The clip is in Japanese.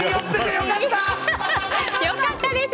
良かったです！